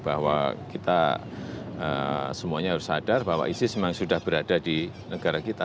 bahwa kita semuanya harus sadar bahwa isis memang sudah berada di negara kita